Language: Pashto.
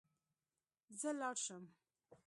زه لاړ شم